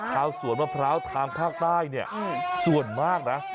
ข้าวสวนมะพร้าวทางภาคใต้ส่วนมากนะ